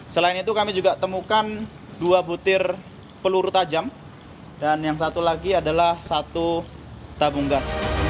selain itu kami juga temukan dua butir peluru tajam dan yang satu lagi adalah satu tabung gas